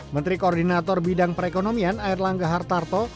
menteri koordinator bidang perekonomian ayrlangga hartarto